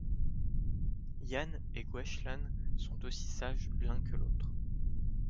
Yann et Gwenc’hlan sont aussi sages l’un que l’autre.